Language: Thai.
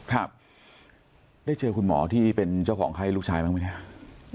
ครับได้เจอคุณหมอที่เป็นเจ้าของไข้ลูกชายบ้างไหมเนี่ย